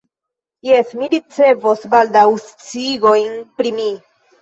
Jes, vi ricevos baldaŭ sciigojn pri mi.